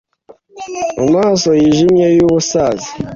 Amaso yijimye yubusaza